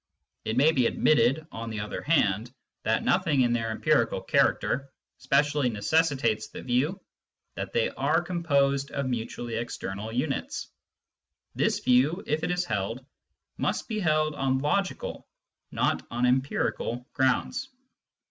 It may be admitted, on the other hand, that nothing in their empirical character specially necessitates the view that they are composed of mutually external units. This view, if it is held, must be held on logical, not on empirical, grounds.